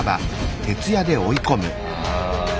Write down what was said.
ああ。